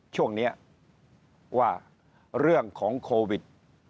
ช่วงนี้ว่าเรื่องของโควิด